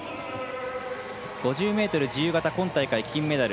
５０ｍ自由形、今大会金メダル。